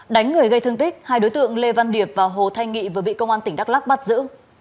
đánh người gây thương tích hai đối tượng lê văn điệp và hồ thanh nghị vừa bị công an tỉnh đắk lắc bắt giữ